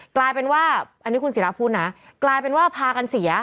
กลายเป็นว่าอันนี้คุณศิราพูดนะกลายเป็นว่าพากันเสีย